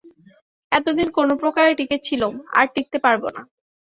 এতদিন কোনোপ্রকারে টিঁকে ছিলুম, আর টিঁকতে পারব না।